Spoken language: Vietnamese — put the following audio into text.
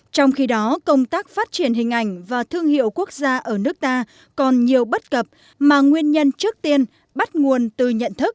trong khi đó công tác phát triển hình ảnh và thương hiệu quốc gia ở nước ta còn nhiều bất cập mà nguyên nhân trước tiên bắt nguồn từ nhận thức